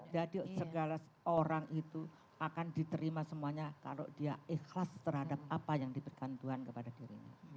jadi segala orang itu akan diterima semuanya kalau dia ikhlas terhadap apa yang diberikan tuhan kepada dirinya